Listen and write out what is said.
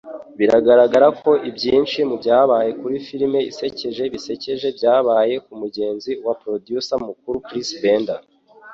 Biragaragara ko ibyinshi mubyabaye kuri firime isekeje bisekeje byabaye kumugenzi wa producer mukuru Chris Bender.